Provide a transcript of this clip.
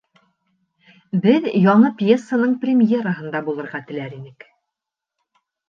Беҙ яңы пьесаның премьераһында булырға теләр инек.